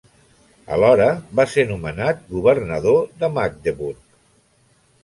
Alhora, va ser nomenat governador de Magdeburg.